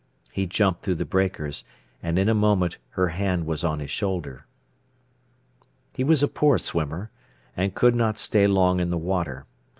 He jumped through the breakers, and in a moment her hand was on his shoulder. He was a poor swimmer, and could not stay long in the water.